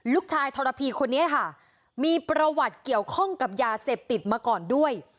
ทรพีคนนี้ค่ะมีประวัติเกี่ยวข้องกับยาเสพติดมาก่อนด้วย